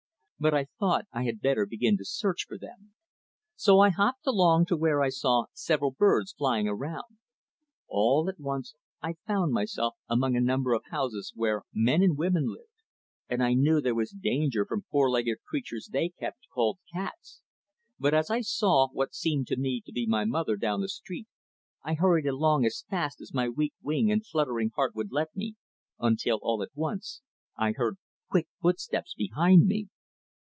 But I thought I had better begin to search for them. So I hopped along to where I saw several birds flying around. All at once I found myself among a number of houses where men and women lived, and I knew there was danger from four legged creatures they kept, called cats, but, as I saw what seemed to me to be my mother down the street, I hurried along as fast as my weak wing and fluttering heart would let me, until, all at once, I heard quick footsteps behind me.